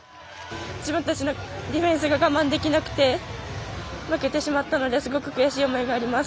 自分たちのディフェンスが我慢できなくて負けてしまったのがすごく悔しい思いがあります。